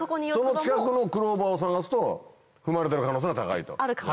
その近くのクローバーを探すと踏まれてる可能性が高いと。